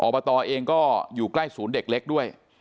บตเองก็อยู่ใกล้ศูนย์เด็กเล็กด้วย